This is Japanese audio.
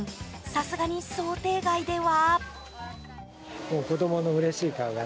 さすがに想定外では？